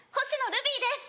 ルビーです」。